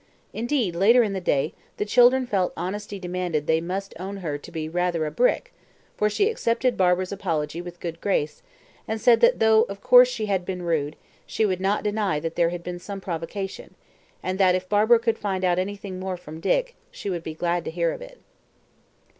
Indeed, later in the day, the children felt honesty demanded they must own her to be "rather a brick," for she accepted Barbara's apology with good grace, and said that though, of course, she had been rude, she would not deny that there had been some provocation, and that if Barbara could find out anything more from Dick, she would be glad to hear of it.